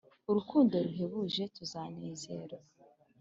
Urukundo ruhebuje, tuzanezerwa